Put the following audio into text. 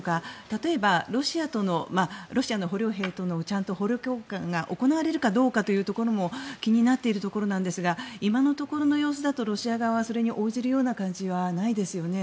例えばロシアの捕虜兵との捕虜交換が行われるかどうかというところも気になっているところなんですが今のところの様子だとロシア側はそれに応じるような感じはないですよね。